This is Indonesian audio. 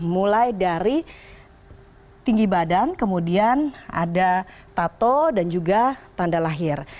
mulai dari tinggi badan kemudian ada tato dan juga tanda lahir